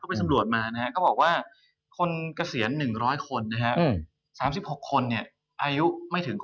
ไปสำรวจมานะฮะก็บอกว่าคนเกษียณ๑๐๐คนนะฮะ๓๖คนเนี่ยอายุไม่ถึง